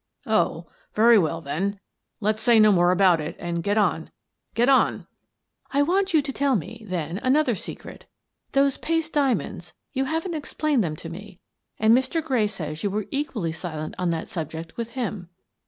" Oh, very well, then. Let's say no more about it, and get on — get on! "" I want you to tell me, then, another secret. Those paste diamonds — you haven't explained them to me, and Mr. Gray says you were equally silent on that subject with him."